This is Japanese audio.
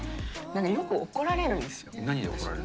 何で怒られるんですか？